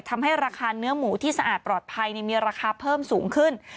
ทำให้ราคาเนื้อหมูที่สะอาดปลอดภัยมีราคาเพิ่มสูงขึ้น